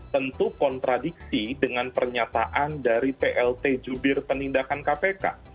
tentu kontradiksi dengan pernyataan dari plt jubir penindakan kpk